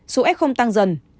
sau đó số s tăng dần